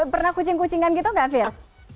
pernah kucing kucingan gitu gak fir